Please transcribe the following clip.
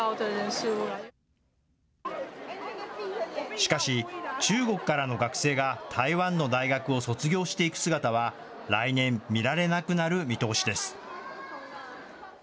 しかし、中国からの学生が台湾の大学を卒業していく姿は、来年、見られなくなる見通しです。